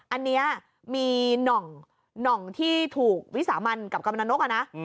อันนี้มีหน่องที่ถูกวิสามันกับกำลังนกนะ